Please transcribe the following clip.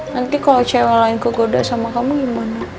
nanti kalo cewek lain kegoda sama kamu gimana